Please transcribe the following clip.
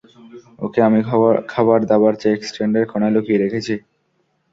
ওকে, আমি খাবারদাবার চেক স্ট্যান্ডের কোণায় লুকিয়ে রেখেছি।